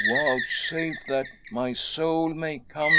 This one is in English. vouchsafe that my soul may come.